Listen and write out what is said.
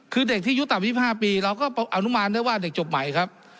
คือเด็กที่อายุต่ำ๒๕ปีเราก็อนุมานได้ว่าเด็กจบใหม่ครับ